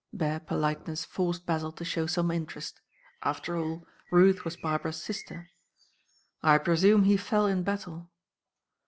Bare politeness forced Basil to show some interest. After all, Ruth was Barbara's sister. "I presume he fell in battle?"